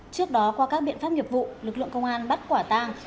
trước đó qua các biện pháp nghiệp vụ lực lượng công an bắt quả tang